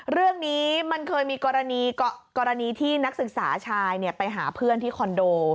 เรื่องนี้มันเคยมีกรณีที่นักศึกษาชายไปหาเพื่อนที่คอนโด